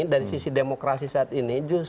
dari sisi demokrasi saat ini